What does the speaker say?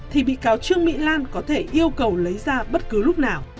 thì bị cáo trương mỹ lan có thể yêu cầu lấy ra bất cứ thứ